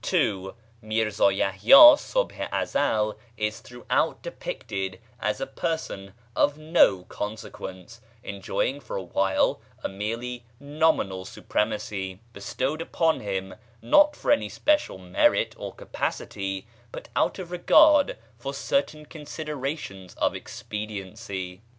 (2) Mírzá Yahyá Subh i Ezel is throughout depicted as a person of no consequence, enjoying for a while a merely nominal supremacy, bestowed upon him, not for any special merit or capacity, but out of regard for certain considerations of expediency5.